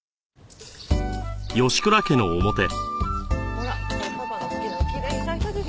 ほらパパの好きなのきれいに咲いたでしょ。